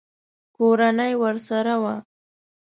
کورنۍ ورسره وه.